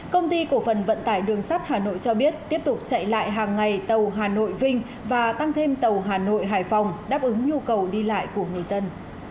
công ty cổ phần vận tải đường sắt hà nội cho biết tiếp tục chạy lại hàng ngày tàu hà nội vinh và tăng thêm tàu hà nội hải phòng đáp ứng nhu cầu đi lại của người dân